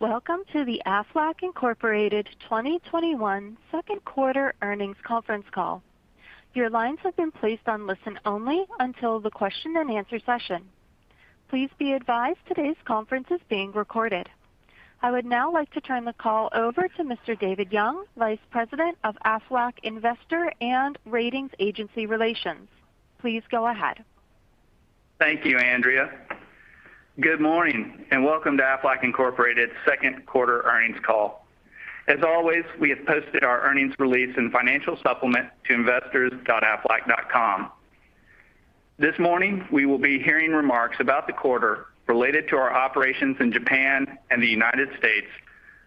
Welcome to the Aflac Incorporated 2021 Second Quarter Earnings Conference Call. Your lines have been placed on listen-only until the question and answer session. Please be advised today's conference is being recorded. I would now like to turn the call over to Mr. David Young, Vice President of Aflac Investor and Ratings Agency Relations. Please go ahead. Thank you, Andrea. Good morning, and welcome to Aflac Incorporated's second quarter earnings call. As always, we have posted our earnings release and financial supplement to investors.aflac.com. This morning, we will be hearing remarks about the quarter related to our operations in Japan and the United States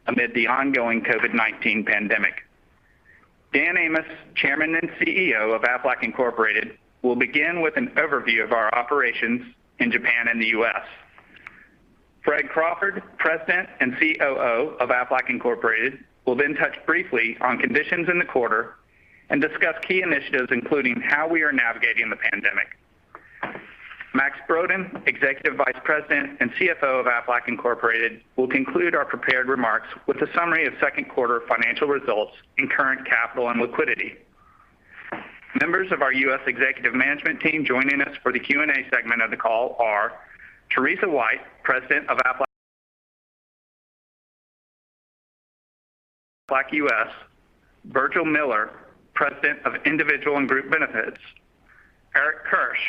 amid the ongoing COVID-19 pandemic. Dan Amos, Chairman and CEO of Aflac Incorporated, will begin with an overview of our operations in Japan and the U.S. Fred Crawford, President and COO of Aflac Incorporated, will touch briefly on conditions in the quarter and discuss key initiatives, including how we are navigating the pandemic. Max Brodén, Executive Vice President and CFO of Aflac Incorporated, will conclude our prepared remarks with a summary of second quarter financial results in current capital and liquidity. Members of our U.S. executive management team joining us for the Q&A segment of the call are Teresa White, President of Aflac U.S., Virgil Miller, President of Individual and Group Benefits, Eric Kirsch,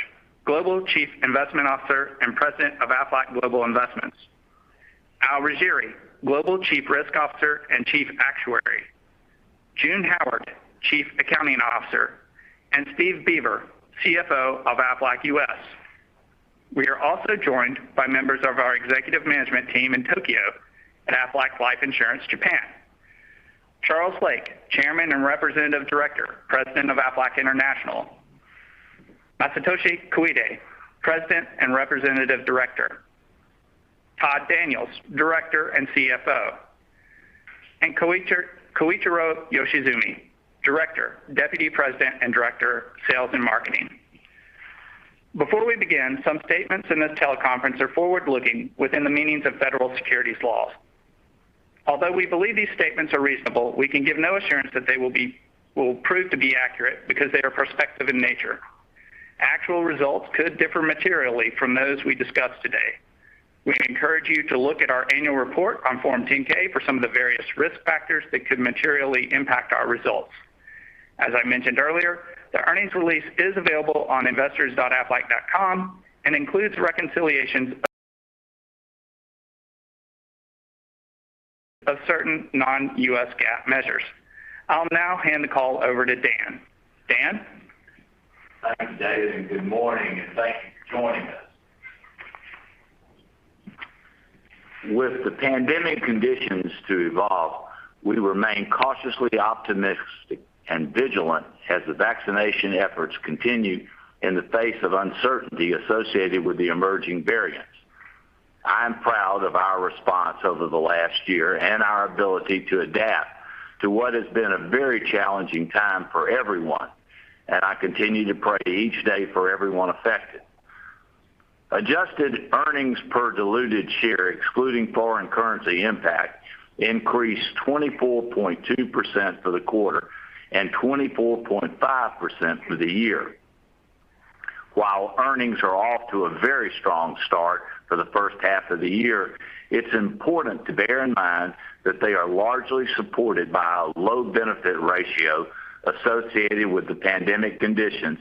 Global Chief Investment Officer and President of Aflac Global Investments, Al Riggieri, Global Chief Risk Officer and Chief Actuary, June Howard, Chief Accounting Officer, and Steve Beaver, CFO of Aflac U.S. We are also joined by members of our executive management team in Tokyo at Aflac Life Insurance Japan. Charles Lake, Chairman and Representative Director, President of Aflac International, Masatoshi Koide, President and Representative Director, Todd Daniels, Director and CFO, and Koichiro Yoshizumi, Director, Deputy President and Director of Sales and Marketing. Before we begin, some statements in this teleconference are forward-looking within the meanings of federal securities laws. Although we believe these statements are reasonable, we can give no assurance that they will prove to be accurate because they are prospective in nature. Actual results could differ materially from those we discuss today. We encourage you to look at our annual report on Form 10-K for some of the various risk factors that could materially impact our results. As I mentioned earlier, the earnings release is available on investors.aflac.com and includes reconciliations of certain non-U.S. GAAP measures. I'll now hand the call over to Dan. Dan? Thanks, David. Good morning, and thank you for joining us. With the pandemic conditions to evolve, we remain cautiously optimistic and vigilant as the vaccination efforts continue in the face of uncertainty associated with the emerging variants. I'm proud of our response over the last year and our ability to adapt to what has been a very challenging time for everyone. I continue to pray each day for everyone affected. Adjusted earnings per diluted share, excluding foreign currency impact, increased 24.2% for the quarter and 24.5% for the year. While earnings are off to a very strong start for the first half of the year, it's important to bear in mind that they are largely supported by a low benefit ratio associated with the pandemic conditions,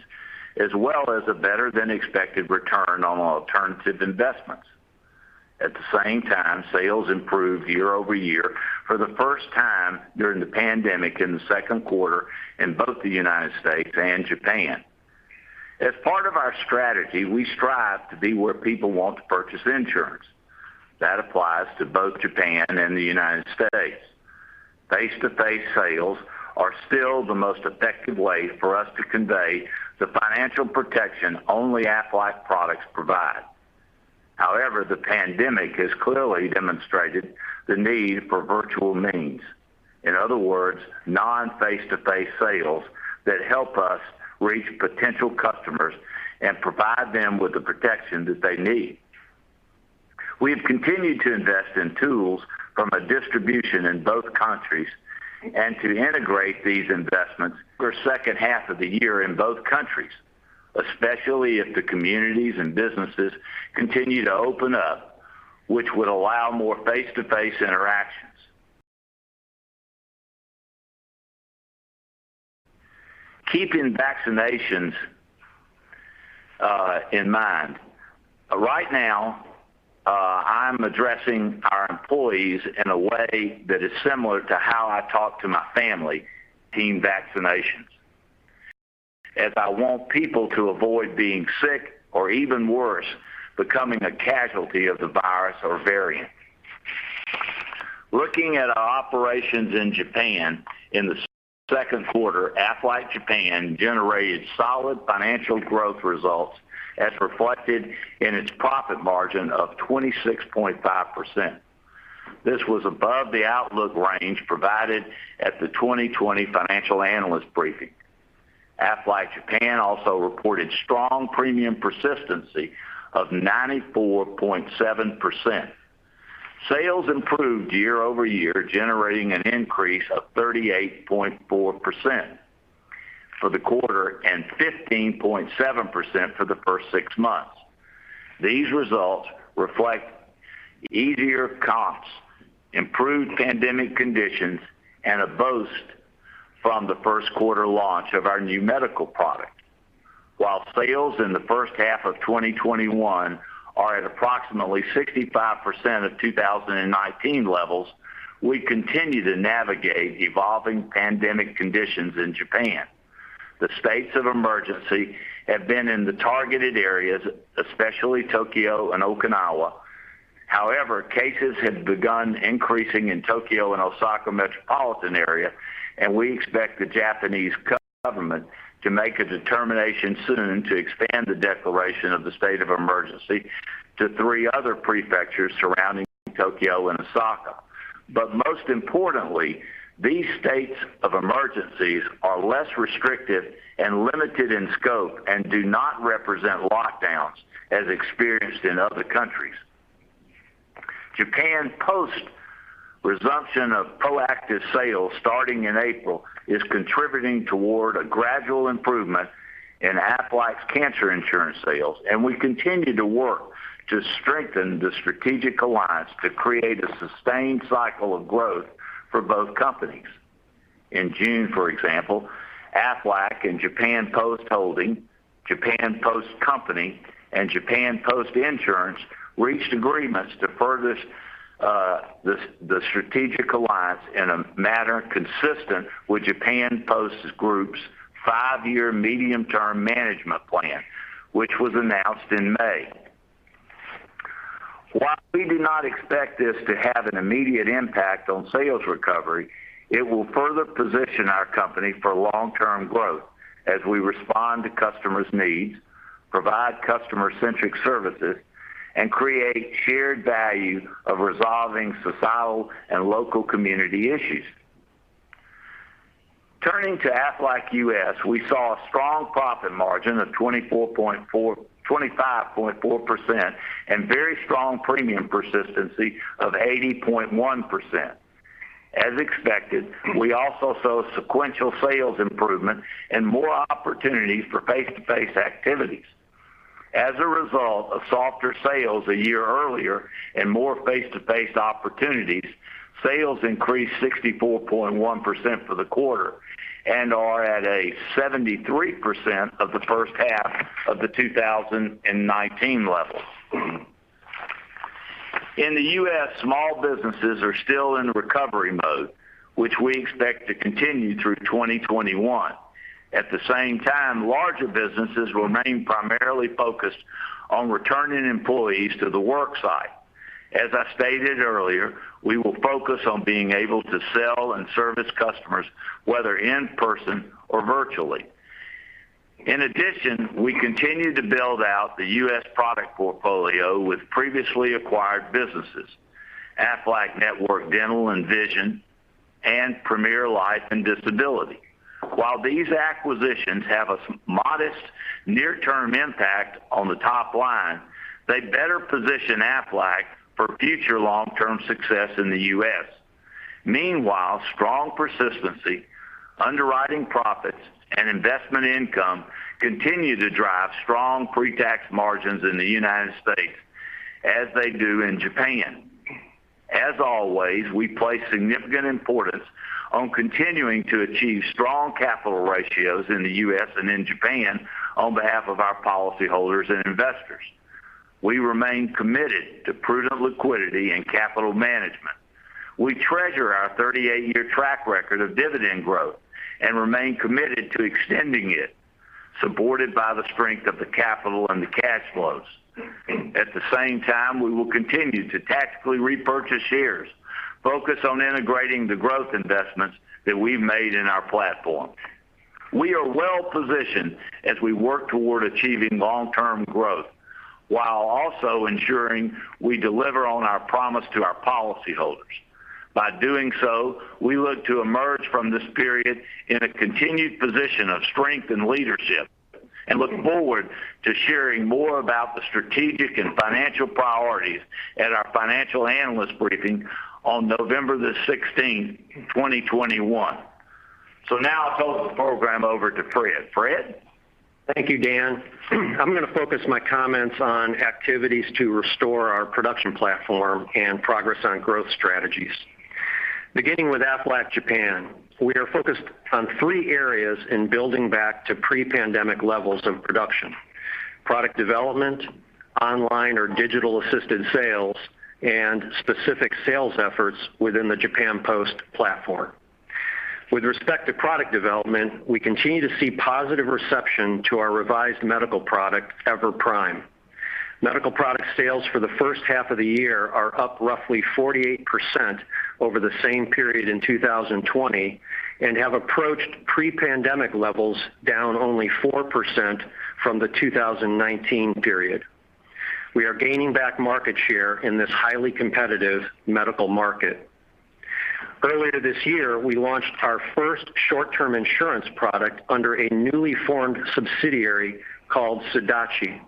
as well as a better than expected return on alternative investments. At the same time, sales improved year-over-year for the first time during the pandemic in the second quarter in both the United States and Japan. As part of our strategy, we strive to be where people want to purchase insurance. That applies to both Japan and the United States. Face-to-face sales are still the most effective way for us to convey the financial protection only Aflac products provide. However, the pandemic has clearly demonstrated the need for virtual means. In other words, non-face-to-face sales that help us reach potential customers and provide them with the protection that they need. We have continued to invest in tools from a distribution in both countries and to integrate these investments for the second half of the year in both countries, especially if the communities and businesses continue to open up, which would allow more face-to-face interactions. Keeping vaccinations in mind, right now, I'm addressing our employees in a way that is similar to how I talk to my family regarding vaccinations, as I want people to avoid being sick or even worse, becoming a casualty of the virus or variant. Looking at our operations in Japan in the second quarter, Aflac Japan generated solid financial growth results as reflected in its profit margin of 26.5%. This was above the outlook range provided at the 2020 Financial Analyst Briefing. Aflac Japan also reported strong premium persistency of 94.7%. Sales improved year-over-year, generating an increase of 38.4% for the quarter and 15.7% for the first six months. These results reflect easier comps, improved pandemic conditions, and a boost from the first quarter launch of our new medical product. While sales in the first half of 2021 are at approximately 65% of 2019 levels, we continue to navigate evolving pandemic conditions in Japan. The states of emergency have been in the targeted areas, especially Tokyo and Okinawa. Cases have begun increasing in Tokyo and Osaka metropolitan area, and we expect the Japanese government to make a determination soon to expand the declaration of the state of emergency to three other prefectures surrounding Tokyo and Osaka. Most importantly, these states of emergencies are less restrictive and limited in scope and do not represent lockdowns as experienced in other countries. Japan Post resumption of proactive sales starting in April is contributing toward a gradual improvement in Aflac's cancer insurance sales, and we continue to work to strengthen the strategic alliance to create a sustained cycle of growth for both companies. In June, for example, Aflac and Japan Post Holdings, Japan Post Company, and Japan Post Insurance reached agreements to further the strategic alliance in a manner consistent with Japan Post Group's five-year medium-term management plan, which was announced in May. While we do not expect this to have an immediate impact on sales recovery, it will further position our company for long-term growth as we respond to customers' needs, provide customer-centric services, and create shared value of resolving societal and local community issues. Turning to Aflac U.S., we saw a strong profit margin of 25.4% and very strong premium persistency of 80.1%. As expected, we also saw sequential sales improvement and more opportunities for face-to-face activities. As a result of softer sales a year earlier and more face-to-face opportunities, sales increased 64.1% for the quarter and are at a 73% of the first half of the 2019 levels. In the U.S., small businesses are still in recovery mode, which we expect to continue through 2021. At the same time, larger businesses remain primarily focused on returning employees to the work site. As I stated earlier, we will focus on being able to sell and service customers, whether in person or virtually. In addition, we continue to build out the U.S. product portfolio with previously acquired businesses, Aflac Network Dental and Vision, and Premier Life and Disability. While these acquisitions have a modest near-term impact on the top line, they better position Aflac for future long-term success in the U.S. Meanwhile, strong persistency, underwriting profits, and investment income continue to drive strong pre-tax margins in the United States as they do in Japan. As always, we place significant importance on continuing to achieve strong capital ratios in the U.S. and in Japan on behalf of our policyholders and investors. We remain committed to prudent liquidity and capital management. We treasure our 38-year track record of dividend growth and remain committed to extending it, supported by the strength of the capital and the cash flows. At the same time, we will continue to tactically repurchase shares, focus on integrating the growth investments that we've made in our platform. We are well-positioned as we work toward achieving long-term growth while also ensuring we deliver on our promise to our policyholders. By doing so, we look to emerge from this period in a continued position of strength and leadership and look forward to sharing more about the strategic and financial priorities at our Financial Analyst Briefing on November 16th, 2021. Now I'll turn the program over to Fred. Fred? Thank you, Dan. I'm going to focus my comments on activities to restore our production platform and progress on growth strategies. Beginning with Aflac Japan, we are focused on three areas in building back to pre-pandemic levels of production, product development, online or digital assisted sales, and specific sales efforts within the Japan Post platform. With respect to product development, we continue to see positive reception to our revised medical product, EVER Prime. Medical product sales for the first half of the year are up roughly 48% over the same period in 2020 and have approached pre-pandemic levels down only 4% from the 2019 period. We are gaining back market share in this highly competitive medical market. Earlier this year, we launched our first short-term insurance product under a newly formed subsidiary called SUDACHI.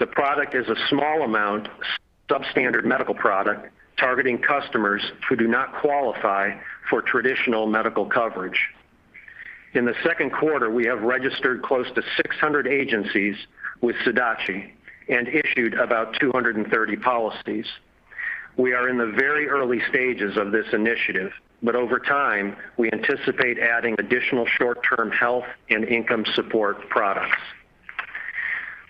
The product is a small amount, substandard medical product targeting customers who do not qualify for traditional medical coverage. In the second quarter, we have registered close to 600 agencies with SUDACHI and issued about 230 policies. We are in the very early stages of this initiative, but over time, we anticipate adding additional short-term health and income support products.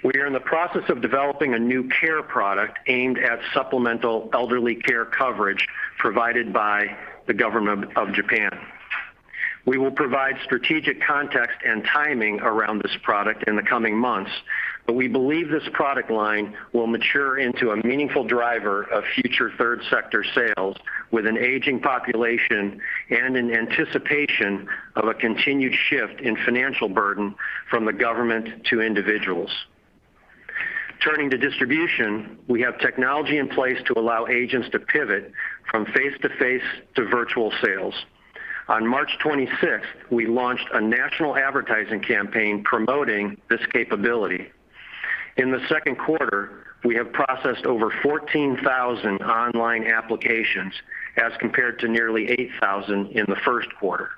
We are in the process of developing a new care product aimed at supplemental elderly care coverage provided by the Government of Japan. We will provide strategic context and timing around this product in the coming months, but we believe this product line will mature into a meaningful driver of future third sector sales with an aging population and an anticipation of a continued shift in financial burden from the government to individuals. Turning to distribution, we have technology in place to allow agents to pivot from face-to-face to virtual sales. On March 26, we launched a national advertising campaign promoting this capability. In the second quarter, we have processed over 14,000 online applications as compared to nearly 8,000 in the first quarter.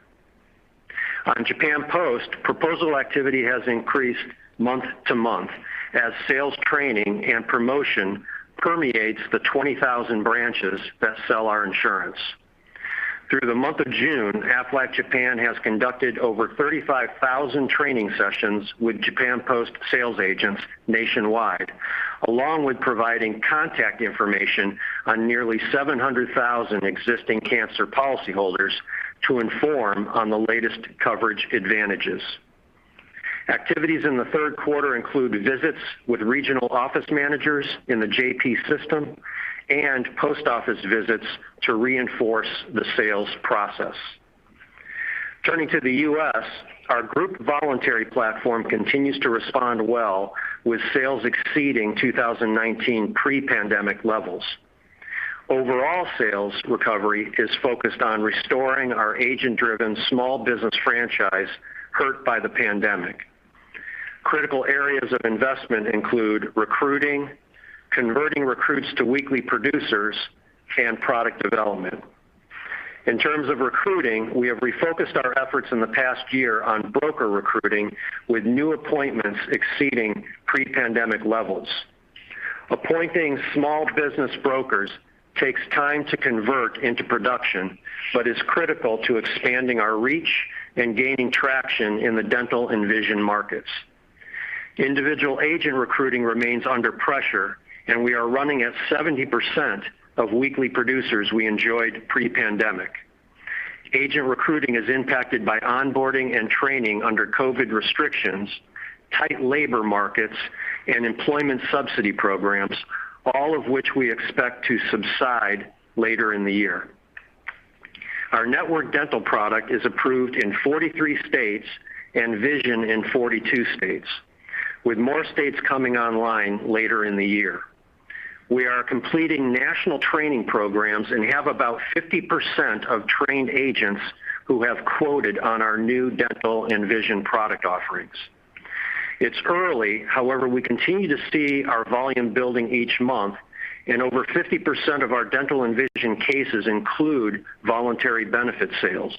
On Japan Post, proposal activity has increased month-to-month as sales training and promotion permeates the 20,000 branches that sell our insurance. Through the month of June, Aflac Japan has conducted over 35,000 training sessions with Japan Post sales agents nationwide, along with providing contact information on nearly 700,000 existing cancer policyholders to inform on the latest coverage advantages. Activities in the third quarter include visits with regional office managers in the JP system and post office visits to reinforce the sales process. Turning to the U.S., our group voluntary platform continues to respond well with sales exceeding 2019 pre-pandemic levels. Overall sales recovery is focused on restoring our agent-driven small business franchise hurt by the pandemic. Critical areas of investment include recruiting, converting recruits to weekly producers, and product development. In terms of recruiting, we have refocused our efforts in the past year on broker recruiting, with new appointments exceeding pre-pandemic levels. Appointing small business brokers takes time to convert into production but is critical to expanding our reach and gaining traction in the dental and vision markets. Individual agent recruiting remains under pressure, and we are running at 70% of weekly producers we enjoyed pre-pandemic. Agent recruiting is impacted by onboarding and training under COVID restrictions, tight labor markets, and employment subsidy programs, all of which we expect to subside later in the year. Our network dental product is approved in 43 states and vision in 42 states, with more states coming online later in the year. We are completing national training programs and have about 50% of trained agents who have quoted on our new dental and vision product offerings. It's early. However, we continue to see our volume building each month, and over 50% of our dental and vision cases include voluntary benefit sales.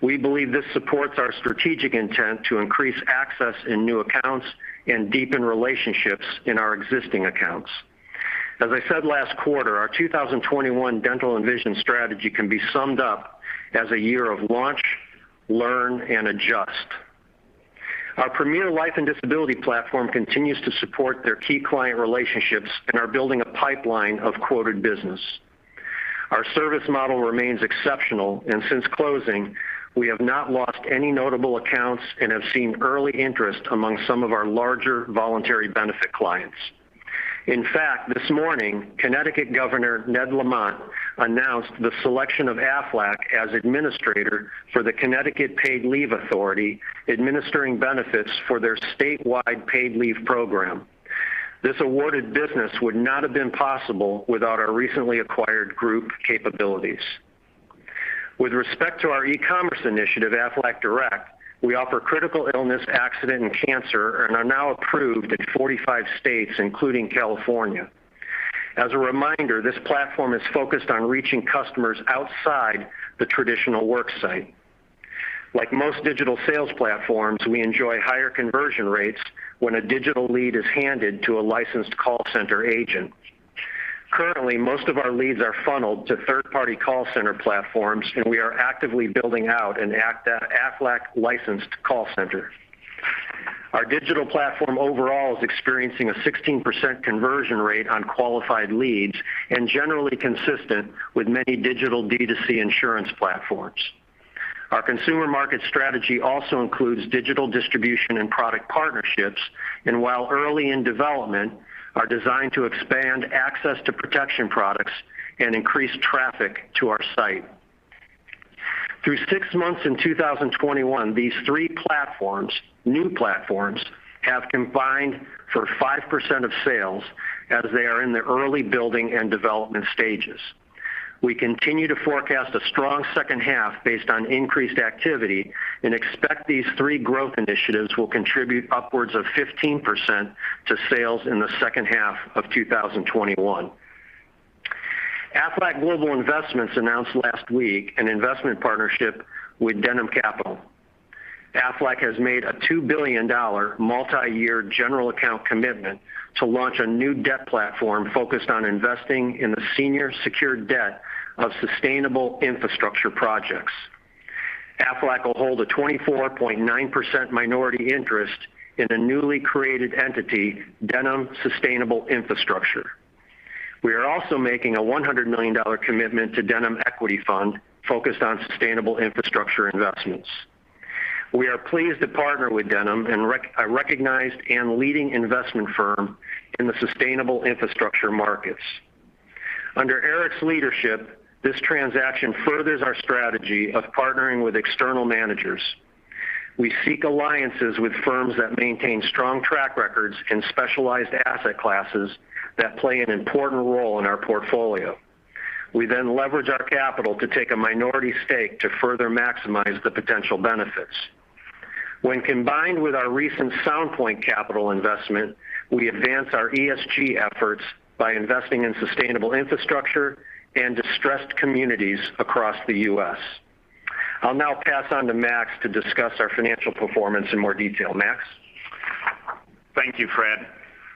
We believe this supports our strategic intent to increase access in new accounts and deepen relationships in our existing accounts. As I said last quarter, our 2021 dental and vision strategy can be summed up as a year of launch, learn, and adjust. Our Premier Life and Disability platform continues to support their key client relationships and are building a pipeline of quoted business. Our service model remains exceptional. Since closing, we have not lost any notable accounts and have seen early interest among some of our larger voluntary benefit clients. In fact, this morning, Connecticut Governor Ned Lamont announced the selection of Aflac as administrator for the Connecticut Paid Leave Authority, administering benefits for their statewide paid leave program. This awarded business would not have been possible without our recently acquired group capabilities. With respect to our e-commerce initiative, Aflac Direct, we offer critical illness, accident, and cancer and are now approved in 45 states, including California. As a reminder, this platform is focused on reaching customers outside the traditional work site. Like most digital sales platforms, we enjoy higher conversion rates when a digital lead is handed to a licensed call center agent. Currently, most of our leads are funneled to third-party call center platforms, and we are actively building out an Aflac licensed call center. Our digital platform overall is experiencing a 16% conversion rate on qualified leads and generally consistent with many digital D2C insurance platforms. Our consumer market strategy also includes digital distribution and product partnerships, and while early in development, are designed to expand access to protection products and increase traffic to our site. Through six months in 2021, these three new platforms have combined for 5% of sales as they are in the early building and development stages. We continue to forecast a strong second half based on increased activity and expect these three growth initiatives will contribute upwards of 15% to sales in the second half of 2021. Aflac Global Investments announced last week an investment partnership with Denham Capital. Aflac has made a $2 billion multi-year general account commitment to launch a new debt platform focused on investing in the senior secured debt of sustainable infrastructure projects. Aflac will hold a 24.9% minority interest in the newly created entity, Denham Sustainable Infrastructure. We are also making a $100 million commitment to Denham Equity Fund, focused on sustainable infrastructure investments. We are pleased to partner with Denham, a recognized and leading investment firm in the sustainable infrastructure markets. Under Eric's leadership, this transaction furthers our strategy of partnering with external managers. We seek alliances with firms that maintain strong track records in specialized asset classes that play an important role in our portfolio. We then leverage our capital to take a minority stake to further maximize the potential benefits. When combined with our recent Sound Point Capital investment, we advance our ESG efforts by investing in sustainable infrastructure and distressed communities across the U.S. I'll now pass on to Max to discuss our financial performance in more detail. Max? Thank you, Fred.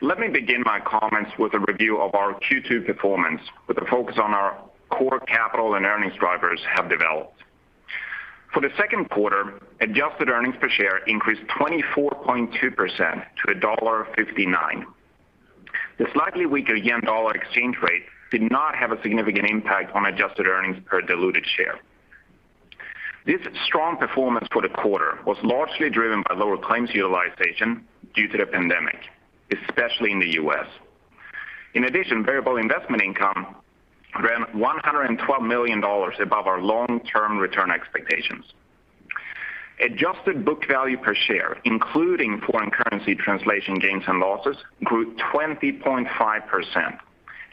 Let me begin my comments with a review of our Q2 performance, with a focus on our core capital and earnings drivers have developed. For the second quarter, adjusted earnings per share increased 24.2% to $1.59. The slightly weaker yen dollar exchange rate did not have a significant impact on adjusted earnings per diluted share. This strong performance for the quarter was largely driven by lower claims utilization due to the pandemic, especially in the U.S. In addition, variable investment income ran $112 million above our long-term return expectations. Adjusted book value per share, including foreign currency translation gains and losses, grew 20.5%,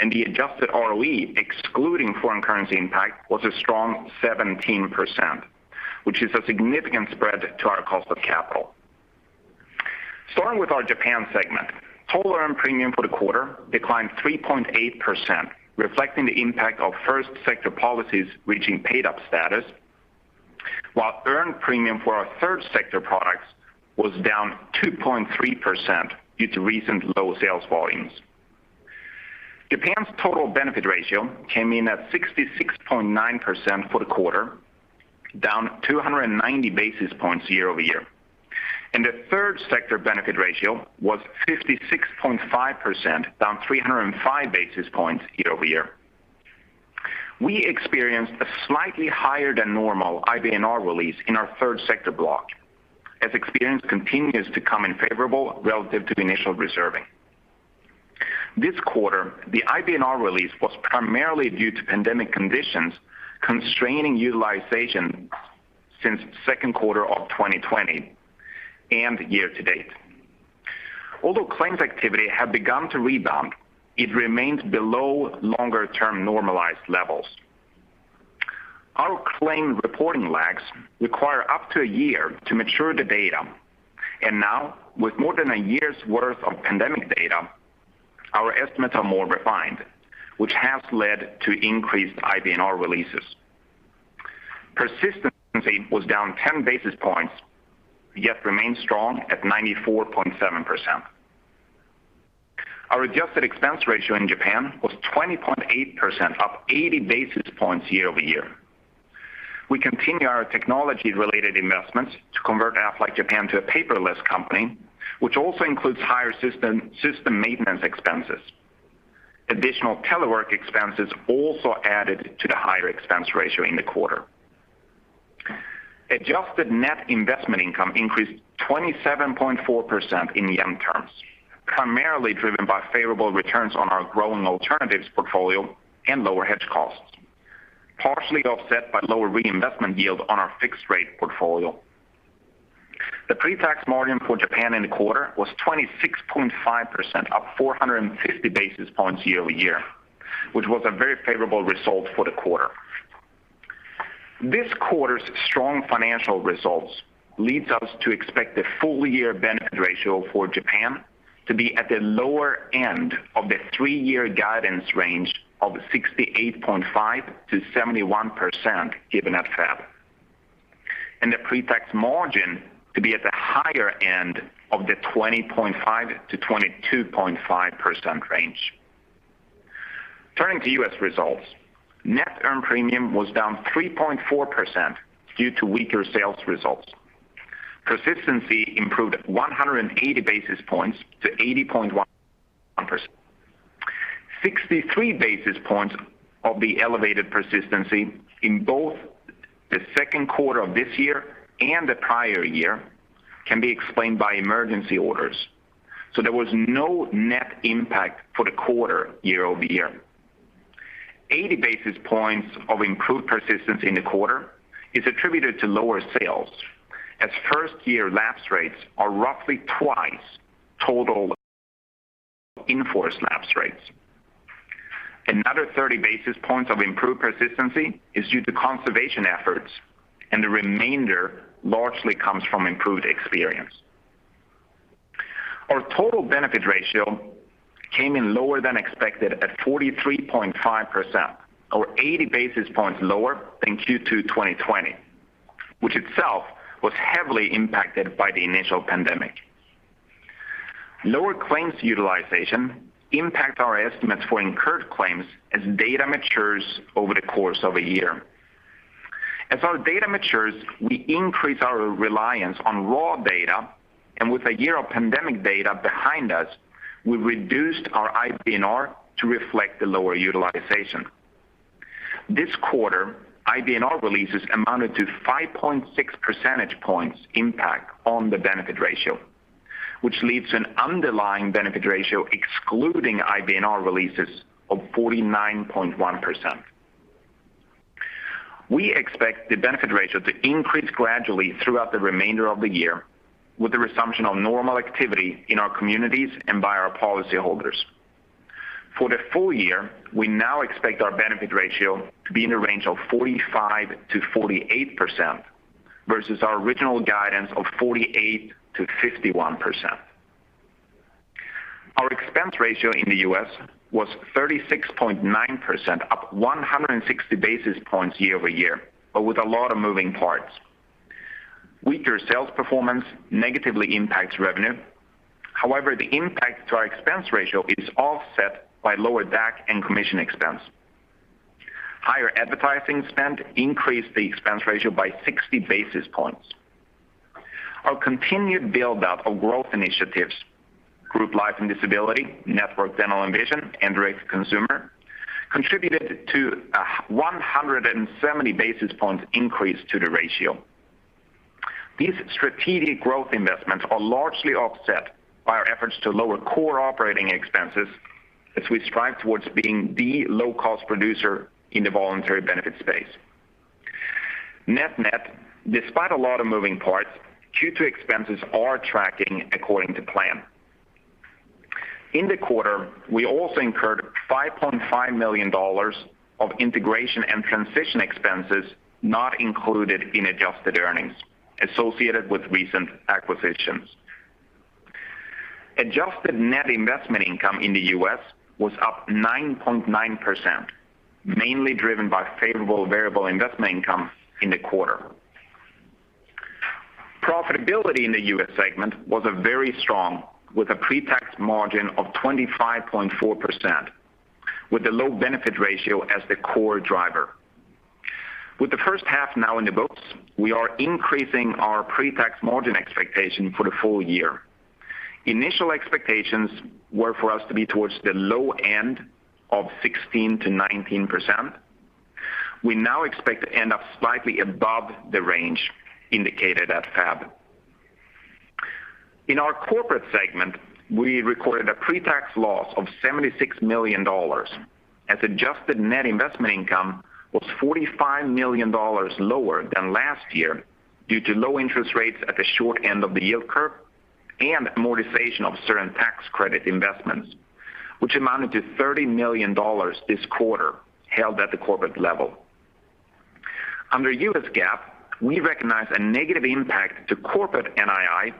and the adjusted ROE, excluding foreign currency impact, was a strong 17%, which is a significant spread to our cost of capital. Starting with our Japan segment, total earned premium for the quarter declined 3.8%, reflecting the impact of first sector policies reaching paid-up status, while earned premium for our third sector products was down 2.3% due to recent low sales volumes. Japan's total benefit ratio came in at 66.9% for the quarter, down 290 basis points year-over-year. The third sector benefit ratio was 56.5%, down 305 basis points year-over-year. We experienced a slightly higher than normal IBNR release in our third sector block, as experience continues to come in favorable relative to the initial reserving. This quarter, the IBNR release was primarily due to pandemic conditions constraining utilization since second quarter of 2020 and year-to-date. Although claims activity had begun to rebound, it remains below longer-term normalized levels. Our claims reporting lags require up to a year to mature the data, and now, with more than a year's worth of pandemic data, our estimates are more refined, which has led to increased IBNR releases. Persistency was down 10 basis points, yet remains strong at 94.7%. Our adjusted expense ratio in Aflac Japan was 20.8%, up 80 basis points year-over-year. We continue our technology-related investments to convert Aflac Japan to a paperless company, which also includes higher system maintenance expenses. Additional telework expenses also added to the higher expense ratio in the quarter. Adjusted net investment income increased 27.4% in yen terms, primarily driven by favorable returns on our growing alternatives portfolio and lower hedge costs, partially offset by lower reinvestment yield on our fixed rate portfolio. The pre-tax margin for Japan in the quarter was 26.5%, up 450 basis points year-over-year, which was a very favorable result for the quarter. This quarter's strong financial results leads us to expect the full year benefit ratio for Japan to be at the lower end of the three-year guidance range of 68.5%-71%, given at FAB, and the pre-tax margin to be at the higher end of the 20.5%-22.5% range. Turning to U.S. results, net earned premium was down 3.4% due to weaker sales results. Persistency improved 180 basis points to 80.1%. 63 basis points of the elevated persistency in both the second quarter of this year and the prior year can be explained by emergency orders. There was no net impact for the quarter year-over-year. 80 basis points of improved persistency in the quarter is attributed to lower sales, as 1st-year lapse rates are roughly twice total in-force lapse rates. Another 30 basis points of improved persistency is due to conservation efforts, and the remainder largely comes from improved experience. Our total benefit ratio came in lower than expected at 43.5%, or 80 basis points lower than Q2 2020, which itself was heavily impacted by the initial pandemic. Lower claims utilization impact our estimates for incurred claims as data matures over the course of a year. As our data matures, we increase our reliance on raw data, and with a year of pandemic data behind us, we reduced our IBNR to reflect the lower utilization. This quarter, IBNR releases amounted to 5.6 percentage points impact on the benefit ratio, which leaves an underlying benefit ratio excluding IBNR releases of 49.1%. We expect the benefit ratio to increase gradually throughout the remainder of the year with the resumption of normal activity in our communities and by our policyholders. For the full year, we now expect our benefit ratio to be in the range of 45%-48%, versus our original guidance of 48%-51%. Our expense ratio in the U.S. was 36.9%, up 160 basis points year-over-year, but with a lot of moving parts. Weaker sales performance negatively impacts revenue. However, the impact to our expense ratio is offset by lower DAC and commission expense. Higher advertising spend increased the expense ratio by 60 basis points. Our continued build-out of growth initiatives, group life and disability, network dental and vision, and direct to consumer, contributed to a 170 basis points increase to the ratio. These strategic growth investments are largely offset by our efforts to lower core operating expenses as we strive towards being the low-cost producer in the voluntary benefit space. Net-net, despite a lot of moving parts, Q2 expenses are tracking according to plan. In the quarter, we also incurred $5.5 million of integration and transition expenses not included in adjusted earnings associated with recent acquisitions. Adjusted net investment income in the U.S. was up 9.9%, mainly driven by favorable variable investment income in the quarter. Profitability in the U.S. segment was very strong, with a pre-tax margin of 25.4%, with the low benefit ratio as the core driver. With the first half now in the books, we are increasing our pre-tax margin expectation for the full year. Initial expectations were for us to be towards the low end of 16%-19%. We now expect to end up slightly above the range indicated at FAB. In our corporate segment, we recorded a pre-tax loss of $76 million, as adjusted net investment income was $45 million lower than last year due to low interest rates at the short end of the yield curve and amortization of certain tax credit investments, which amounted to $30 million this quarter, held at the corporate level. Under U.S. GAAP, we recognize a negative impact to corporate NII.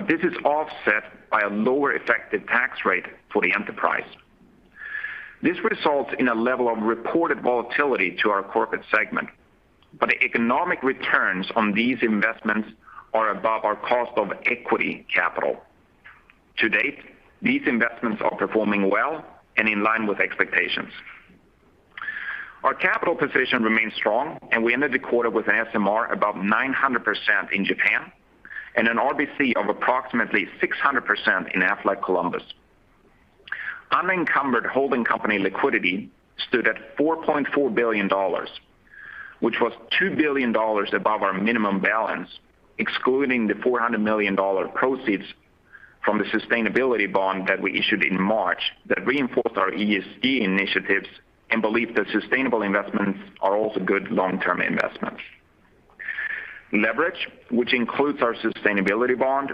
This is offset by a lower effective tax rate for the enterprise. This results in a level of reported volatility to our corporate segment. The economic returns on these investments are above our cost of equity capital. To date, these investments are performing well and in line with expectations. Our capital position remains strong, and we ended the quarter with an SMR above 900% in Japan and an RBC of approximately 600% in Aflac Columbus. Unencumbered holding company liquidity stood at $4.4 billion, which was $2 billion above our minimum balance, excluding the $400 million proceeds from the sustainability bond that we issued in March that reinforced our ESG initiatives and belief that sustainable investments are also good long-term investments. Leverage, which includes our sustainability bond,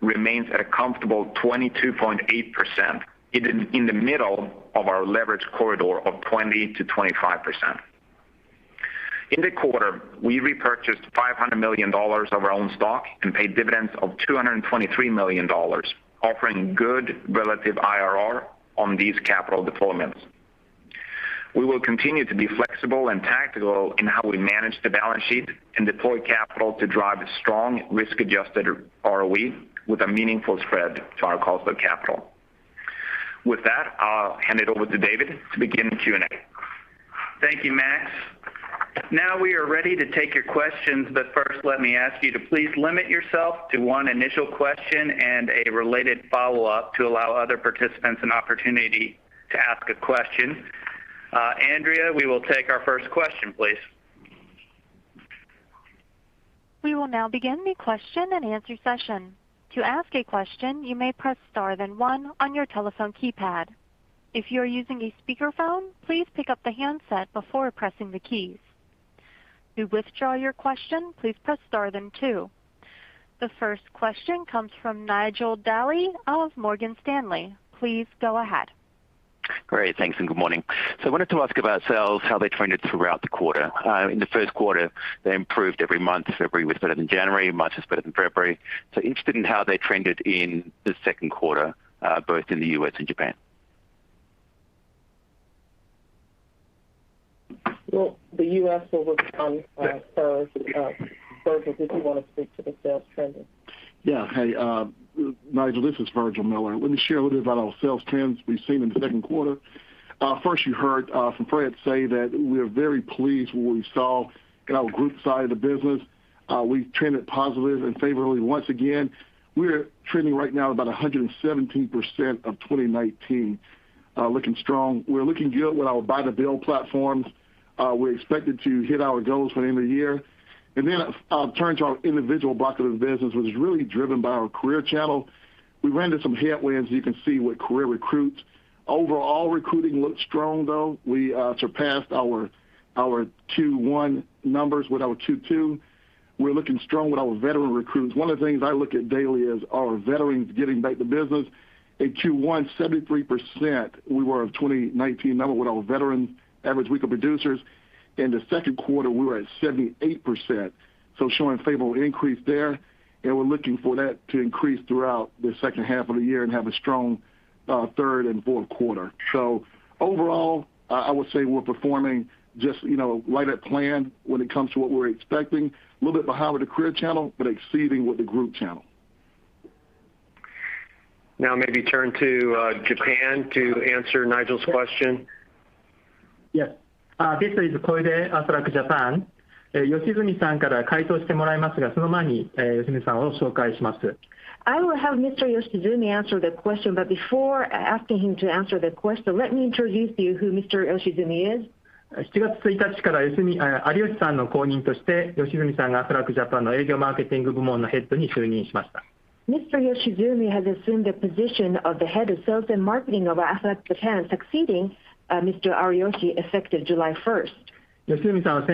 remains at a comfortable 22.8%, in the middle of our leverage corridor of 20%-25%. In the quarter, we repurchased $500 million of our own stock and paid dividends of $223 million, offering good relative IRR on these capital deployments. We will continue to be flexible and tactical in how we manage the balance sheet and deploy capital to drive strong risk-adjusted ROE with a meaningful spread to our cost of capital. With that, I'll hand it over to David to begin the Q&A. Thank you, Max. Now we are ready to take your questions, but first let me ask you to please limit yourself to one initial question and a related follow-up to allow other participants an opportunity to ask a question. Andrea, we will take our first question, please. We will now begin the question and answer session. The first question comes from Nigel Dally of Morgan Stanley. Please go ahead. Great. Thanks, and good morning. I wanted to ask about sales, how they trended throughout the quarter. In the first quarter, they improved every month. February was better than January, March was better than February. Interested in how they trended in the second quarter, both in the U.S. and Japan. Well, the U.S. will respond first. Virgil, did you want to speak to the sales trending? Yeah. Hey, Nigel, this is Virgil Miller. Let me share a little bit about our sales trends we've seen in the second quarter. First, you heard from Fred say that we're very pleased with what we saw in our group side of the business. We trended positively and favorably once again. We're trending right now about 117% of 2019. Looking strong. We're looking good with our buy-to-build platforms. We're expected to hit our goals by the end of the year. I'll turn to our individual block of the business, which is really driven by our career channel. We ran into some headwinds, as you can see, with career recruits. Overall recruiting looked strong, though. We surpassed our Q1 numbers with our Q2. We're looking strong with our veteran recruits. One of the things I look at daily is our veterans getting back to business. In Q1, 73%, we were of 2019 number with our veteran average week of producers. In the second quarter, we were at 78%, so showing favorable increase there, and we're looking for that to increase throughout the second half of the year and have a strong third and fourth quarter. Overall, I would say we're performing just right at plan when it comes to what we're expecting. A little bit behind with the career channel, but exceeding with the group channel. Maybe turn to Japan to answer Nigel's question. Yes. This is Koide, Aflac Japan. I will have Mr. Yoshizumi answer the question, before asking him to answer the question, let me introduce to you who Mr. Yoshizumi is. Mr. Yoshizumi has assumed the position of the head of sales and marketing of Aflac Japan, succeeding Mr. Ariyoshi effective July 1st. Mr.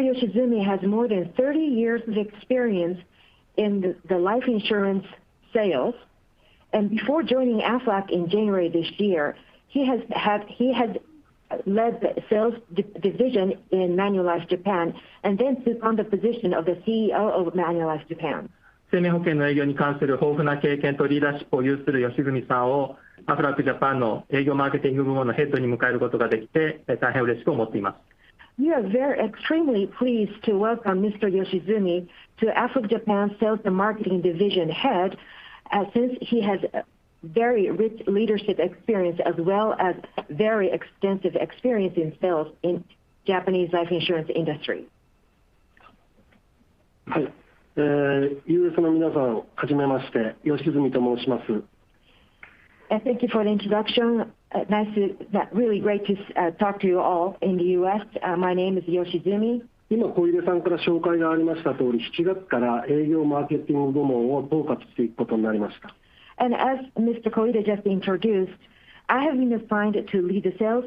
Yoshizumi has more than 30 years of experience in the life insurance sales. Before joining Aflac in January this year, he had led the sales division in Manulife Japan, took on the position of the CEO of Manulife Japan. We are extremely pleased to welcome Mr. Yoshizumi to Aflac Japan sales and marketing division head, since he has very rich leadership experience, as well as very extensive experience in sales in Japanese life insurance industry. Thank you for the introduction. Really great to talk to you all in the U.S. My name is Yoshizumi. As Mr. Koide just introduced, I have been assigned to lead the sales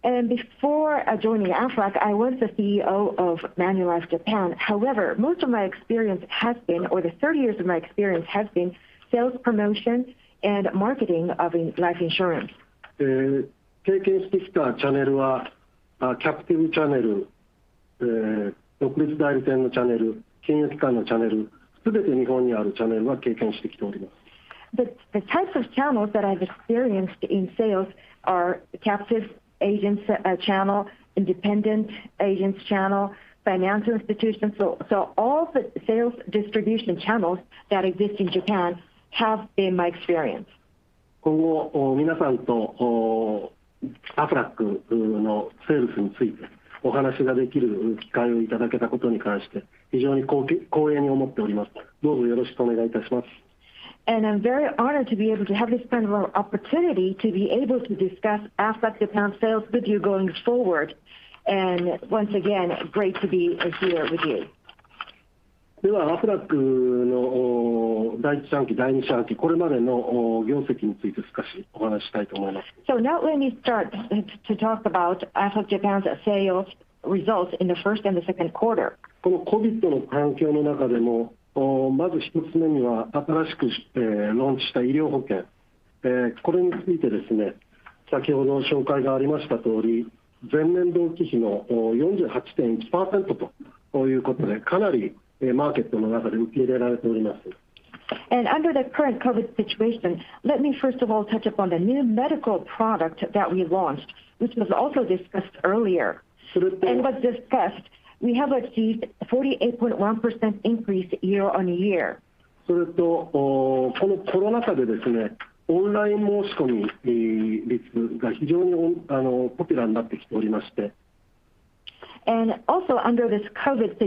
and marketing division of Aflac Japan effective July 1st. Before joining Aflac, I was the CEO of Manulife Japan. However, most of my experience has been, or the 30 years of my experience has been sales promotion and marketing of life insurance. The types of channels that I've experienced in sales are captive agents channel, independent agents channel, financial institutions. All the sales distribution channels that exist in Japan have been my experience. I'm very honored to be able to have this wonderful opportunity to be able to discuss Aflac Japan sales with you going forward. Once again, great to be here with you. Now let me start to talk about Aflac Japan's sales results in the first and second quarter. Under the current COVID situation, let me first of all touch upon the new medical product that we launched, which was also discussed earlier. Was discussed, we have achieved 48.1% increase year-on-year. Also under this COVID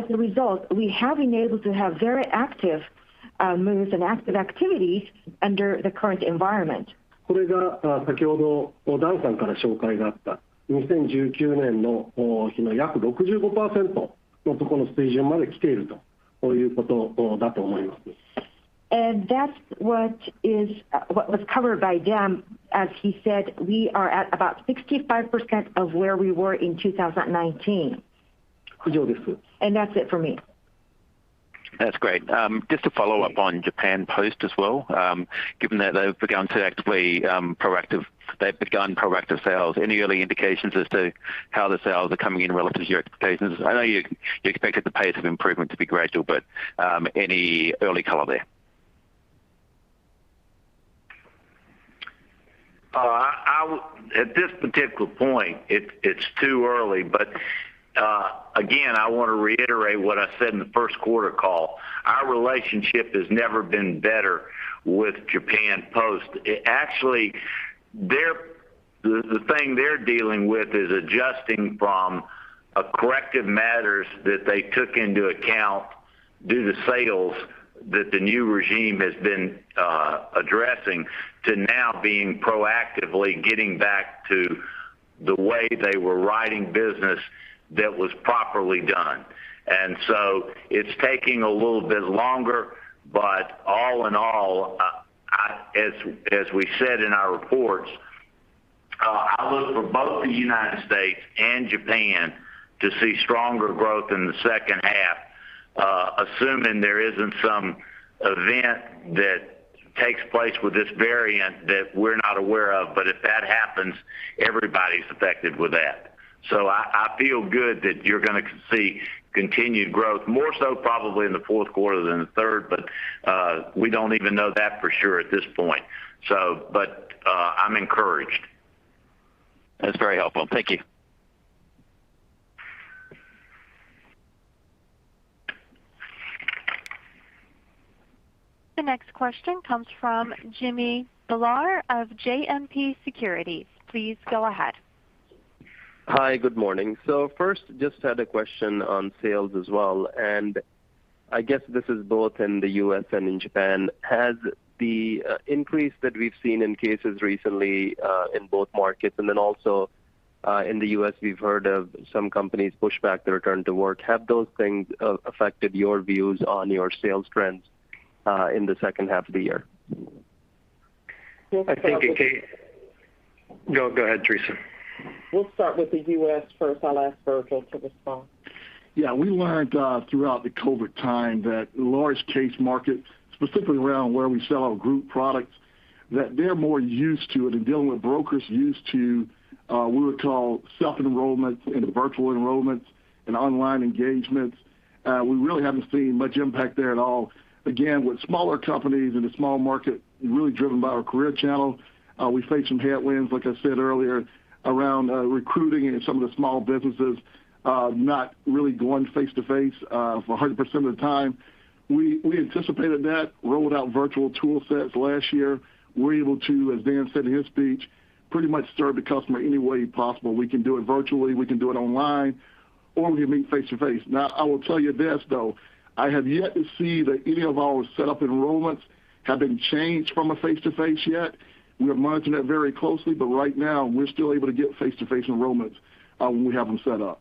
situation, the online application has become very popular and become a common means for application. As a result, we have been able to have very active moves and active activities under the current environment. That's what was covered by Dan, as he said, we are at about 65% of where we were in 2019. That's it from me. That's great. Just to follow up on Japan Post as well. Given that they've begun proactive sales, any early indications as to how the sales are coming in relative to your expectations? I know you expected the pace of improvement to be gradual, but any early color there? At this particular point, it's too early. Again, I want to reiterate what I said in the first quarter call. Our relationship has never been better with Japan Post. Actually, the thing they're dealing with is adjusting from a corrective matters that they took into account due to sales that the new regime has been addressing, to now being proactively getting back to the way they were writing business that was properly done. It's taking a little bit longer. All in all, as we said in our reports, I look for both the United States and Japan to see stronger growth in the second half, assuming there isn't some event that takes place with this variant that we're not aware of. If that happens, everybody's affected with that. I feel good that you're going to see continued growth, more so probably in the fourth quarter than the third. We don't even know that for sure at this point. I'm encouraged. That's very helpful. Thank you. The next question comes from Jimmy Bhullar of JMP Securities. Please go ahead. First, just had a question on sales as well, and I guess this is both in the U.S. and in Japan. Has the increase that we've seen in cases recently, in both markets and then also, in the U.S. we've heard of some companies push back the return to work. Have those things affected your views on your sales trends in the second half of the year? We'll start with. Go ahead, Teresa. We'll start with the U.S. first, I'll ask Virgil to respond. Yeah. We learned, throughout the COVID time, that large case markets, specifically around where we sell our group products, that they're more used to it and dealing with brokers used to, we would call self-enrollment into virtual enrollments and online engagements. We really haven't seen much impact there at all. Again, with smaller companies in a small market, really driven by our career channel, we face some headwinds, like I said earlier, around recruiting and some of the small businesses not really going face-to-face, for 100% of the time. We anticipated that, rolled out virtual tool sets last year. We're able to, as Dan said in his speech, pretty much serve the customer any way possible. We can do it virtually, we can do it online, or we can meet face-to-face. I will tell you this, though, I have yet to see that any of our set up enrollments have been changed from a face-to-face yet. We are monitoring that very closely, but right now, we're still able to get face-to-face enrollments, when we have them set up.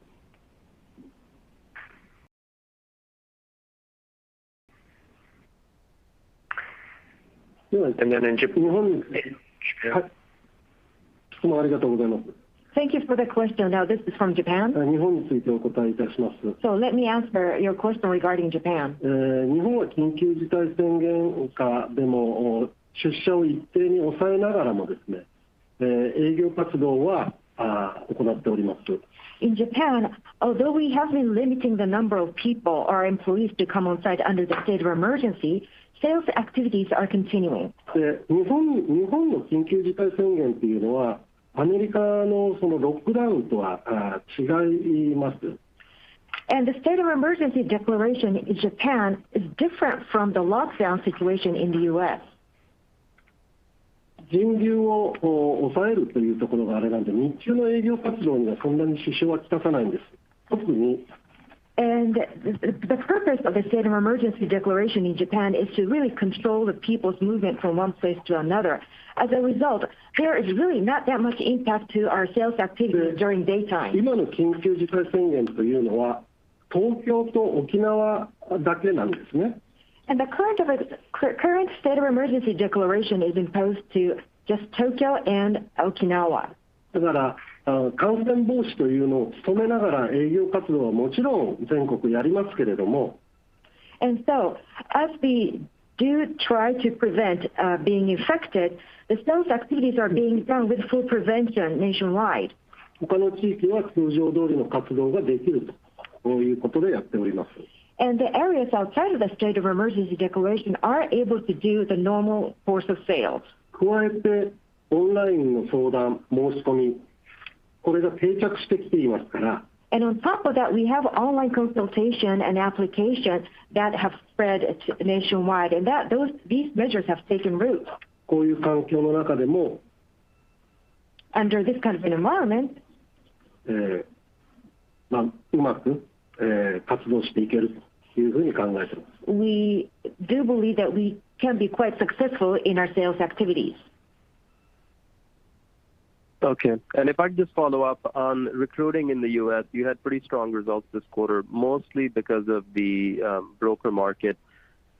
Then in Japan. Thank you for the question. This is from Japan. Let me answer your question regarding Japan. In Japan, although we have been limiting the number of people or employees to come outside under the state of emergency, sales activities are continuing. The state of emergency declaration in Japan is different from the lockdown situation in the U.S. The purpose of the state of emergency declaration in Japan is to really control the people's movement from one place to another. As a result, there is really not that much impact to our sales activities during daytime. The current state of emergency declaration is imposed to just Tokyo and Okinawa. As we do try to prevent being infected, the sales activities are being done with full prevention nationwide. The areas outside of the state of emergency declaration are able to do the normal course of sales. On top of that, we have online consultation and applications that have spread nationwide, and these measures have taken root. Under this kind of an environment, we do believe that we can be quite successful in our sales activities. Okay. If I could just follow up on recruiting in the U.S., you had pretty strong results this quarter, mostly because of the broker market.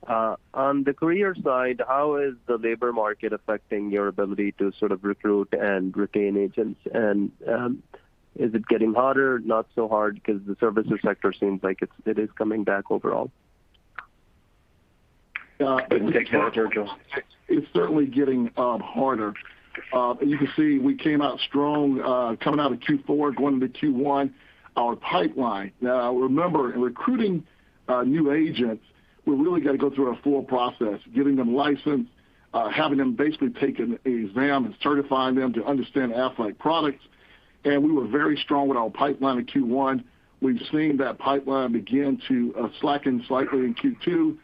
On the career side, how is the labor market affecting your ability to sort of recruit and retain agents? Is it getting harder? Not so hard because the services sector seems like it is coming back overall. You can take that, Virgil. It's certainly getting harder. As you can see, we came out strong coming out of Q4 going into Q1. Our pipeline. Remember, in recruiting new agents, we really got to go through a full process, getting them licensed, having them basically take an exam and certifying them to understand Aflac products. We were very strong with our pipeline in Q1. We've seen that pipeline begin to slacken slightly in Q2.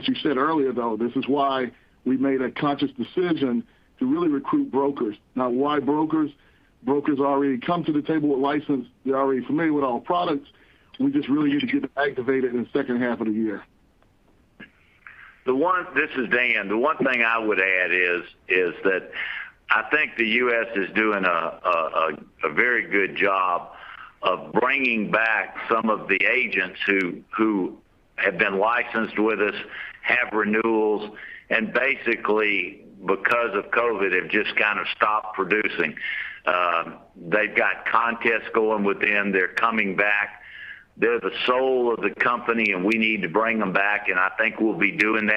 As you said earlier, though, this is why we made a conscious decision to really recruit brokers. Why brokers? Brokers already come to the table with license. They're already familiar with our products. We just really need to get them activated in the second half of the year. This is Dan. The one thing I would add is that I think the U.S. is doing a very good job of bringing back some of the agents who have been licensed with us, have renewals, and basically, because of COVID-19, have just kind of stopped producing. They've got contests going with them. They're coming back. They're the soul of the company, and we need to bring them back, and I think we'll be doing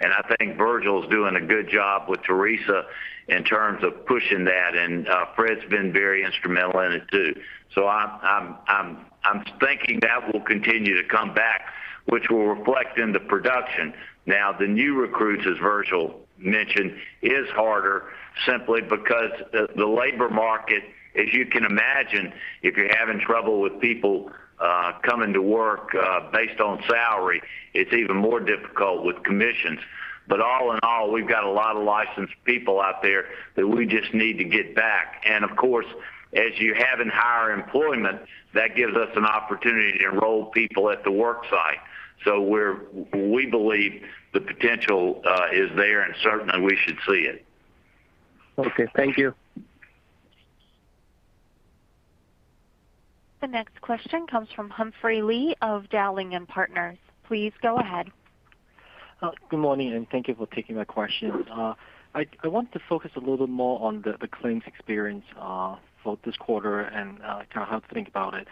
that. I think Virgil's doing a good job with Teresa in terms of pushing that, and Fred's been very instrumental in it, too. I'm thinking that will continue to come back, which will reflect in the production. Now, the new recruits, as Virgil mentioned, is harder simply because the labor market, as you can imagine, if you're having trouble with people coming to work based on salary, it's even more difficult with commissions. All in all, we've got a lot of licensed people out there that we just need to get back. Of course, as you have in higher employment, that gives us an opportunity to enroll people at the work site. We believe the potential is there, and certainly, we should see it. Okay. Thank you. The next question comes from Humphrey Lee of Dowling & Partners. Please go ahead. Good morning, and thank you for taking my question. I want to focus a little bit more on the claims experience for this quarter and kind of how to think about it.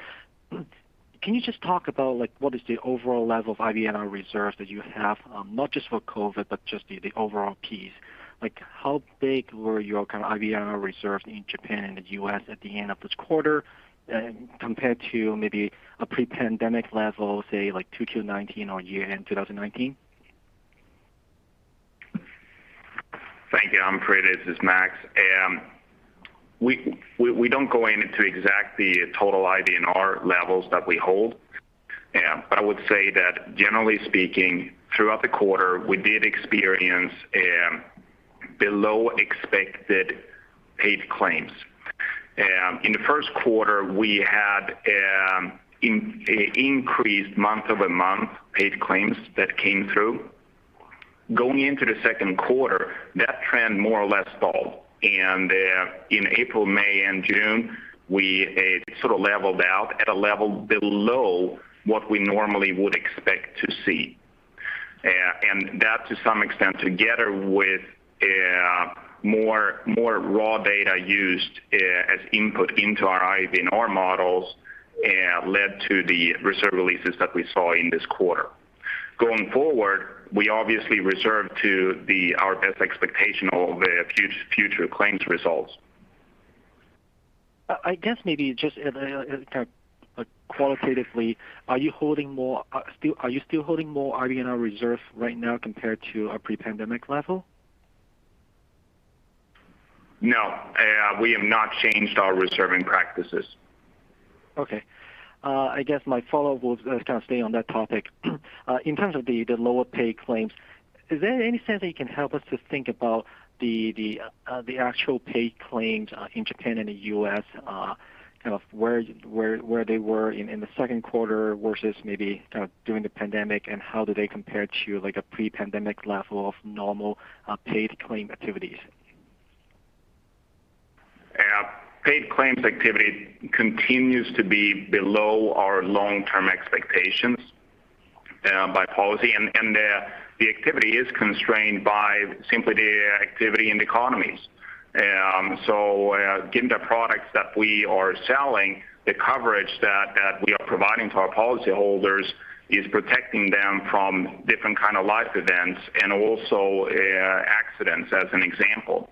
Can you just talk about what is the overall level of IBNR reserves that you have, not just for COVID-19, but just the overall piece? How big were your IBNR reserves in Japan and the U.S. at the end of this quarter compared to maybe a pre-pandemic level, say, like 2Q 2019 or year-end 2019? Thank you, Humphrey. This is Max. We don't go into exact the total IBNR levels that we hold. I would say that generally speaking, throughout the quarter, we did experience below expected paid claims. In the first quarter, we had increased month-over-month paid claims that came through. Going into the second quarter, that trend more or less stalled. In April, May, and June, it sort of leveled out at a level below what we normally would expect to see. That, to some extent, together with more raw data used as input into our IBNR models led to the reserve releases that we saw in this quarter. Going forward, we obviously reserve to our best expectation of future claims results. I guess maybe just kind of qualitatively, are you still holding more IBNR reserves right now compared to a pre-pandemic level? No. We have not changed our reserving practices. Okay. I guess my follow-up will kind of stay on that topic. In terms of the lower paid claims, is there any sense that you can help us to think about the actual paid claims in Japan and the U.S., kind of where they were in the second quarter versus maybe kind of during the pandemic, and how do they compare to a pre-pandemic level of normal paid claim activities? Paid claims activity continues to be below our long-term expectations by policy, and the activity is constrained by simply the activity in the economies. Given the products that we are selling, the coverage that we are providing to our policyholders is protecting them from different kind of life events and also accidents, as an example.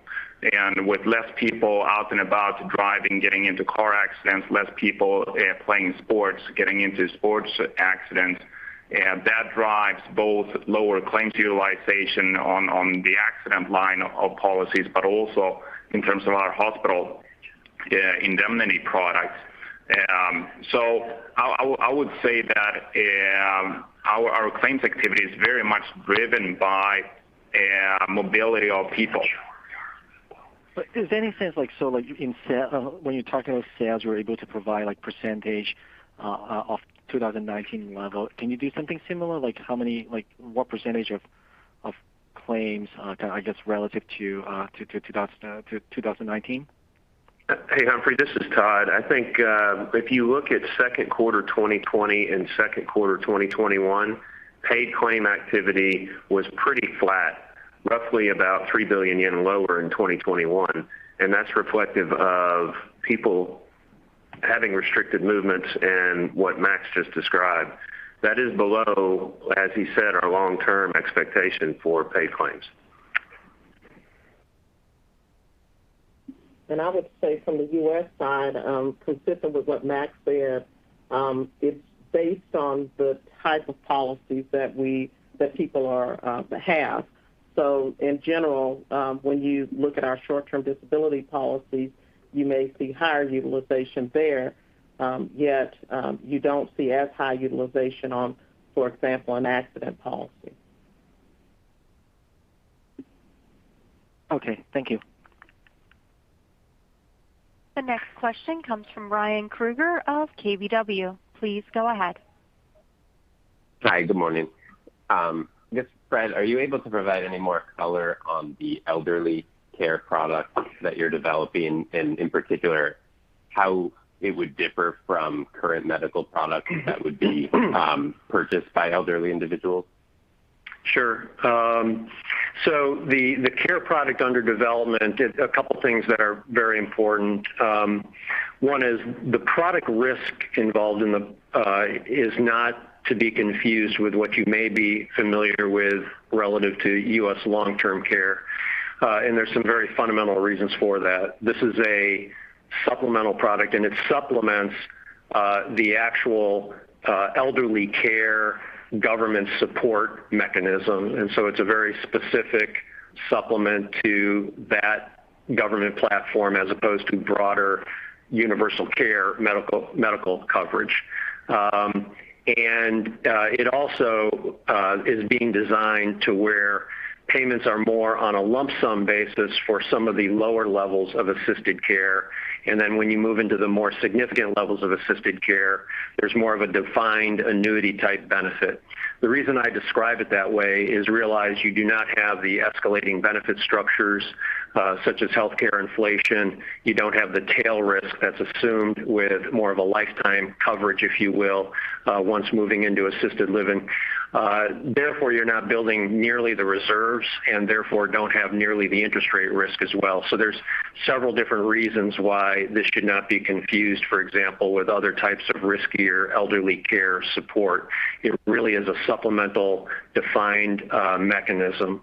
With less people out and about driving, getting into car accidents, less people playing sports, getting into sports accidents, that drives both lower claims utilization on the accident line of policies, but also in terms of our hospital indemnity products. I would say that our claims activity is very much driven by mobility of people. Is there any sense, so when you're talking about sales, you were able to provide like percentage of 2019 level? Can you do something similar? What percentage of claims, I guess, relative to 2019? Hey, Humphrey, this is Todd. I think if you look at second quarter 2020 and second quarter 2021, paid claim activity was pretty flat, roughly about 3 billion yen lower in 2021, and that's reflective of people having restricted movements and what Max just described. That is below, as he said, our long-term expectation for paid claims. I would say from the U.S. side, consistent with what Max said, it's based on the type of policies that people have. In general, when you look at our short-term disability policies, you may see higher utilization there, yet you don't see as high utilization on, for example, an accident policy. Okay. Thank you. The next question comes from Ryan Krueger of KBW. Please go ahead. Hi, good morning. Just Fred, are you able to provide any more color on the elderly care product that you're developing, and in particular, how it would differ from current medical products that would be purchased by elderly individuals? Sure. The care product under development, a couple things that are very important. One is the product risk involved is not to be confused with what you may be familiar with relative to U.S. long-term care. There's some very fundamental reasons for that. This is a supplemental product, and it supplements the actual elderly care government support mechanism. It's a very specific supplement to that government platform as opposed to broader universal care medical coverage. It also is being designed to where payments are more on a lump sum basis for some of the lower levels of assisted care. When you move into the more significant levels of assisted care, there's more of a defined annuity-type benefit. The reason I describe it that way is realize you do not have the escalating benefit structures such as healthcare inflation. You don't have the tail risk that's assumed with more of a lifetime coverage, if you will, once moving into assisted living. Therefore, you're not building nearly the reserves and therefore don't have nearly the interest rate risk as well. There's several different reasons why this should not be confused, for example, with other types of riskier elderly care support. It really is a supplemental defined mechanism.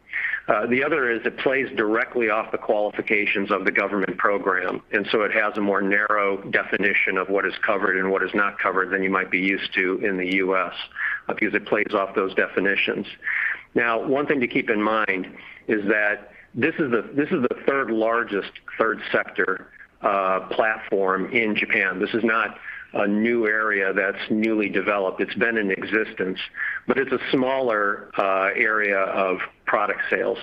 The other is it plays directly off the qualifications of the government program, and so it has a more narrow definition of what is covered and what is not covered than you might be used to in the U.S. because it plays off those definitions. Now, one thing to keep in mind is that this is the third largest third sector platform in Japan. This is not a new area that's newly developed. It's been in existence, but it's a smaller area of product sales.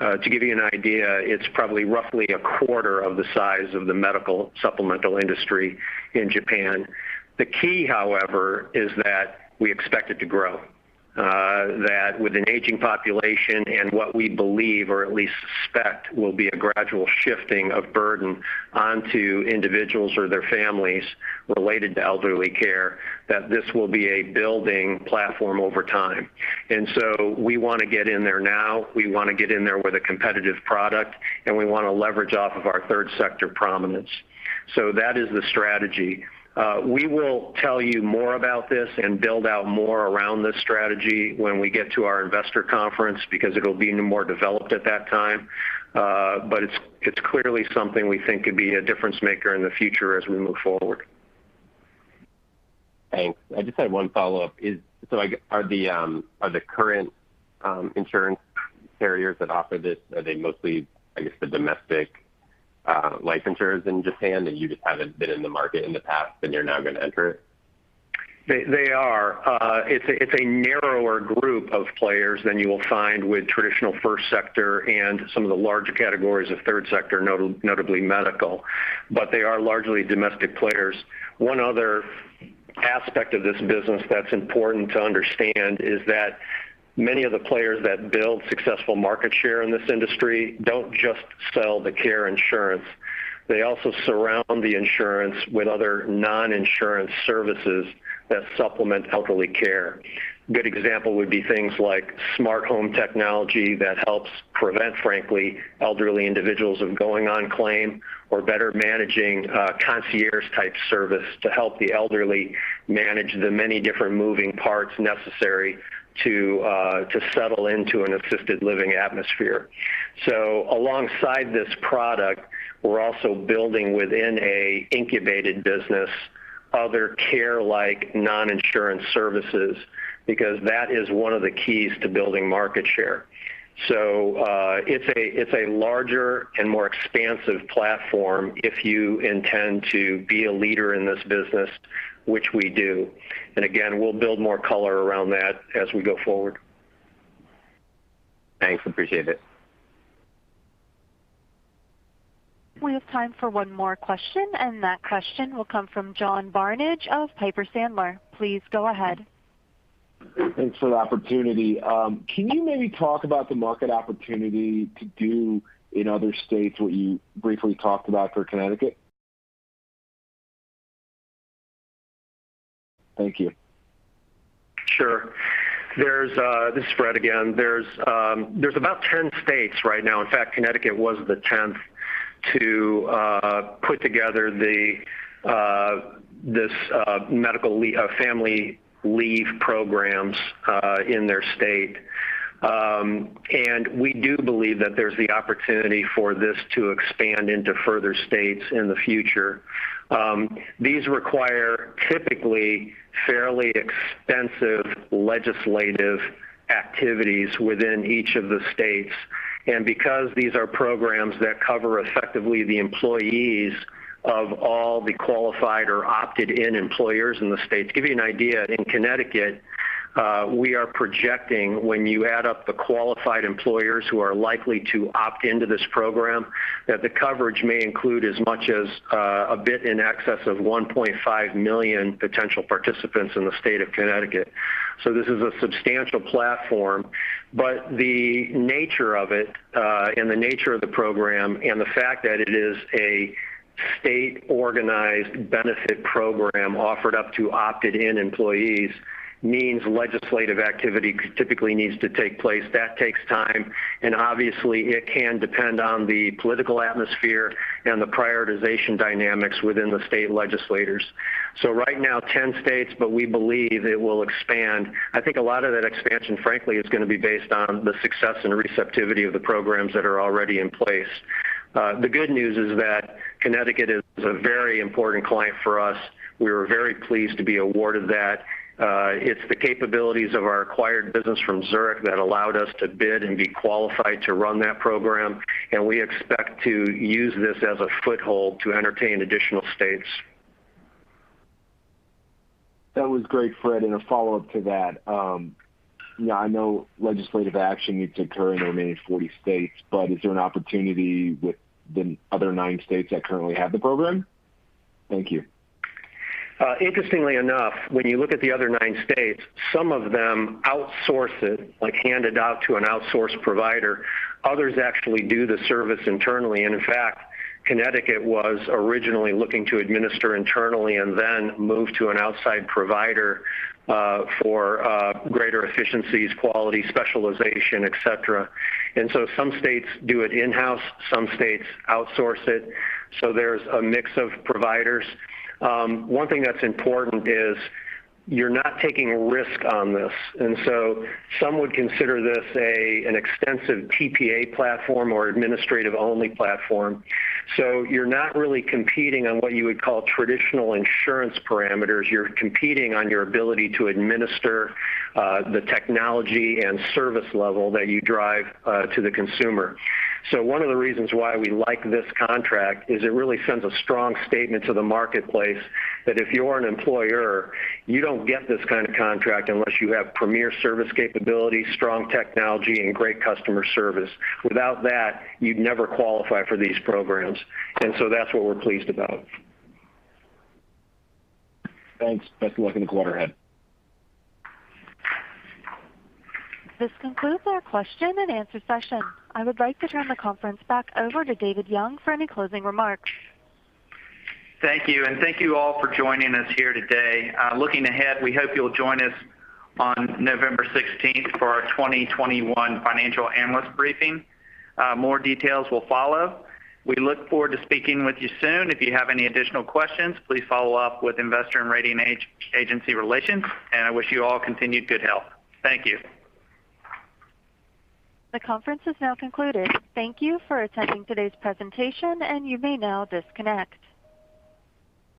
To give you an idea, it's probably roughly a quarter of the size of the medical supplemental industry in Japan. The key, however, is that we expect it to grow, that with an aging population and what we believe or at least suspect will be a gradual shifting of burden onto individuals or their families related to elderly care, that this will be a building platform over time. We want to get in there now, we want to get in there with a competitive product, and we want to leverage off of our third sector prominence. That is the strategy. We will tell you more about this and build out more around this strategy when we get to our investor conference because it'll be more developed at that time. It's clearly something we think could be a difference maker in the future as we move forward. Thanks. I just had one follow-up. Are the current insurance carriers that offer this, are they mostly, I guess, the domestic life insurers in Japan, and you just haven't been in the market in the past, and you're now going to enter it? They are. It's a narrower group of players than you will find with traditional first sector and some of the larger categories of third sector, notably medical, but they are largely domestic players. One other aspect of this business that's important to understand is that many of the players that build successful market share in this industry don't just sell the care insurance. They also surround the insurance with other non-insurance services that supplement elderly care. Good example would be things like smart home technology that helps prevent, frankly, elderly individuals of going on claim or better managing a concierge-type service to help the elderly manage the many different moving parts necessary to settle into an assisted living atmosphere. Alongside this product, we're also building within a incubated business, other care like non-insurance services, because that is one of the keys to building market share. It's a larger and more expansive platform if you intend to be a leader in this business, which we do. Again, we'll build more color around that as we go forward. Thanks. Appreciate it. We have time for one more question, and that question will come from John Barnidge of Piper Sandler. Please go ahead. Thanks for the opportunity. Can you maybe talk about the market opportunity to do in other states what you briefly talked about for Connecticut? Thank you. Sure. This is Fred again. There are about 10 states right now, in fact, Connecticut was the 10th, to put together this medical family leave programs in their state. We do believe that there's the opportunity for this to expand into further states in the future. These require typically, fairly extensive legislative activities within each of the states. Because these are programs that cover effectively the employees of all the qualified or opted-in employers in the states. To give you an idea, in Connecticut, we are projecting when you add up the qualified employers who are likely to opt into this program, that the coverage may include as much as a bit in excess of 1.5 million potential participants in the state of Connecticut. This is a substantial platform, but the nature of it, and the nature of the program, and the fact that it is a state-organized benefit program offered up to opted-in employees means legislative activity typically needs to take place. That takes time, and obviously it can depend on the political atmosphere and the prioritization dynamics within the state legislators. Right now, 10 states, but we believe it will expand. I think a lot of that expansion, frankly, is going to be based on the success and receptivity of the programs that are already in place. The good news is that Connecticut is a very important client for us. We were very pleased to be awarded that. It's the capabilities of our acquired business from Zurich that allowed us to bid and be qualified to run that program. We expect to use this as a foothold to entertain additional states. That was great, Fred. A follow-up to that. I know legislative action needs to occur in the remaining 40 states, but is there an opportunity with the other nine states that currently have the program? Thank you. Interestingly enough, when you look at the other nine states, some of them outsource it, like hand it out to an outsourced provider. Others actually do the service internally. In fact, Connecticut was originally looking to administer internally and then move to an outside provider, for greater efficiencies, quality, specialization, et cetera. Some states do it in-house, some states outsource it, so there's a mix of providers. One thing that's important is you're not taking a risk on this. Some would consider this an extensive TPA platform or administrative only platform. You're not really competing on what you would call traditional insurance parameters. You're competing on your ability to administer the technology and service level that you drive to the consumer. One of the reasons why we like this contract is it really sends a strong statement to the marketplace that if you're an employer, you don't get this kind of contract unless you have premier service capability, strong technology and great customer service. Without that, you'd never qualify for these programs. That's what we're pleased about. Thanks. Best of luck in the quarter ahead. This concludes our question and answer session. I would like to turn the conference back over to David Young for any closing remarks. Thank you, and thank you all for joining us here today. Looking ahead, we hope you'll join us on November 16th for our 2021 Financial Analyst Briefing. More details will follow. We look forward to speaking with you soon. If you have any additional questions, please follow up with Investor and Ratings Agency Relations, and I wish you all continued good health. Thank you. The conference is now concluded. Thank you for attending today's presentation, and you may now disconnect.